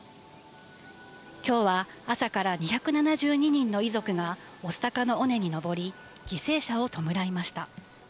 きょうは朝から２７２人の遺族が、御巣鷹の尾根に登り、犠牲者を弔いました。